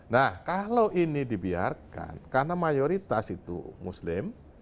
nah kalau ini dibiarkan karena mayoritas itu muslim